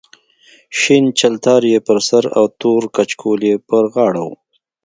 شین چلتار یې پر سر او تور کچکول یې پر غاړه و.